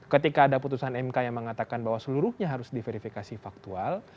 ketika ada putusan mk yang mengatakan bahwa seluruhnya harus diverifikasi faktual